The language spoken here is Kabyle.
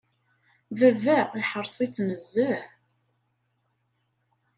Baba iḥres-itt nezzeh.